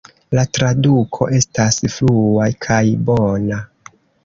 La traduko estas flua kaj bona.